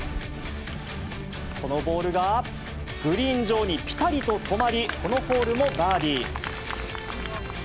このボールがグリーン上にぴたりと止まり、このホールもバーディー。